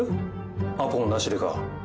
アポもなしでか。